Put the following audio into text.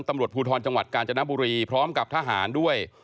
ตำรวจภูทรจังหวัดกาญจนบุรีพร้อมกับทหารด้วย